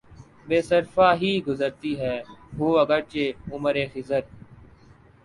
بے صرفہ ہی گزرتی ہے ہو گرچہ عمر خضر